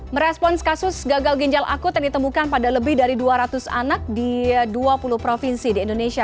merespons kasus gagal ginjal akut yang ditemukan pada lebih dari dua ratus anak di dua puluh provinsi di indonesia